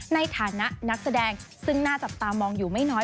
ในฐานะนักแสดงซึ่งน่าจับตามองอยู่ไม่น้อย